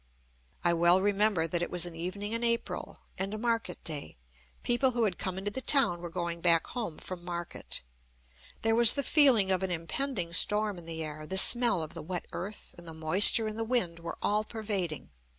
I well remember that it was an evening in April, and a market day. People who had come into the town were going back home from market. There was the feeling of an impending storm in the air; the smell of the wet earth and the moisture in the wind were all pervading.